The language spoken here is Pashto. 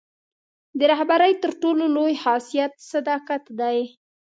د رهبرۍ تر ټولو لوی خاصیت صداقت دی.